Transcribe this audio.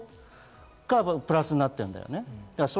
主に外交がプラスになっているんだよね。